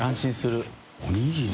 おにぎり？